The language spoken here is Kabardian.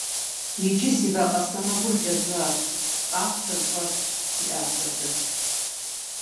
- Иджы си вакъэ сэмэгур лэжьащ, къащтэ щӀэр, - жиӀащ абы.